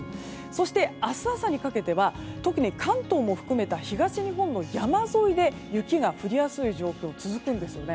そして、明日朝にかけては特に関東も含めた東日本の山沿いで雪が降りやすい状況が続きます。